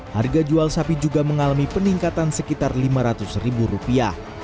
harga jual sapi juga mengalami peningkatan sekitar lima ratus ribu rupiah